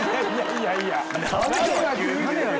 いやいやいやいや。